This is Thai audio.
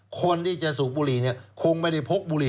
คนที่จะสูบบุหรี่เนี่ยคงไม่ได้พกบุหรี่